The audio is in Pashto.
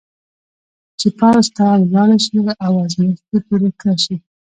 چې پوځ ته ولاړه شي او ازمېښتي پیلوټه شي.